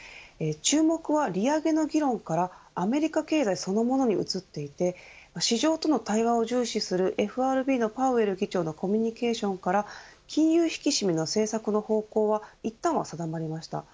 注目は、利上げの議論からアメリカ経済そのものに移っていて市場との対話を重視するＦＲＢのパウエル議長のコミュニケーションから金融引き締めの政策の方向はいったんは定まりました。